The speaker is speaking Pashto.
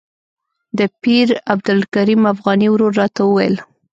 د پیر عبدالکریم افغاني ورور راته وویل.